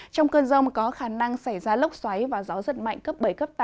trong cơn rông có khả năng xảy ra lốc xoáy và gió rất mạnh cấp bảy tám